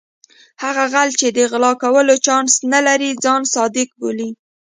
هغه غل چې د غلا کولو چانس نه لري ځان صادق بولي.